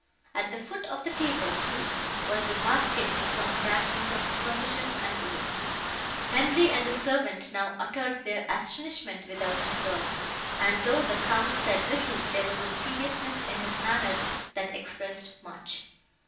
At the foot of the table, too, was the basket with some fragments of provision and wood. Henri and the servant now uttered their astonishment without reserve, and, though the Count said little, there was a seriousness in his manner, that expressed much.